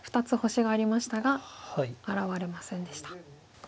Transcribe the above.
２つ星がありましたが現れませんでした。